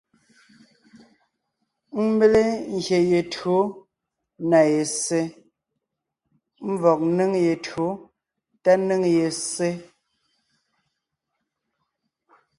Ḿbéle ngyè ye tÿǒ na ye ssé (ḿvɔg ńnéŋ ye tÿǒ tá ńnéŋ ye ssé).